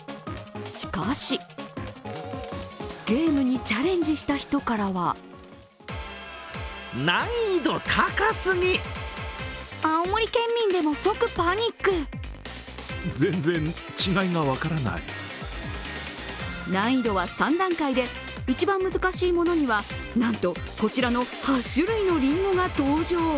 しかし、ゲームにチャレンジした人からは難易度は３段階で、一番難しいものにはなんとこちらの８種類のりんごが登場。